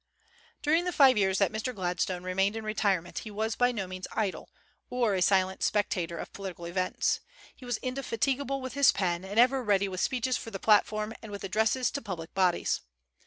During the five years that Mr. Gladstone remained in retirement, he was by no means idle, or a silent spectator of political events. He was indefatigable with his pen, and ever ready with speeches for the platform and with addresses to public bodies.